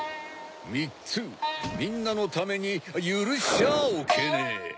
みっつみんなのためにゆるしちゃおけねえ。